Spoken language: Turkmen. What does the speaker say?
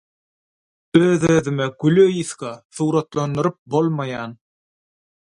Öz-özüme «Güli ysga, suratlandyryp bolmaýan